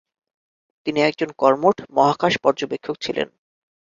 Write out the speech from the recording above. তিনি একজন কর্মঠ মহাকাশ পর্যবেক্ষক ছিলেন।